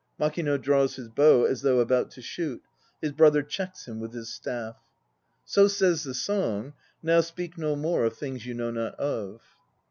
(MAKINO draws his bow as though about to shoot; his BROTHER checks him with his staff.) So says the song. Now speak no more Of things you know not of.